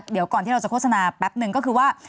เดี๋ยวก่อนที่เราจะโฆษณาแป๊บนึงก็คือว่า